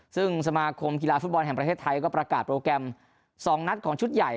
ซึ่งสมาคมกีฬาฟุตบอลแห่งประเทศไทยก็ประกาศโปรแกรม๒นัดของชุดใหญ่